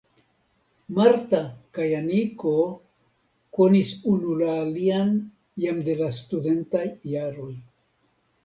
Marta kaj Aniko konis unu la alian jam de la studentaj jaroj.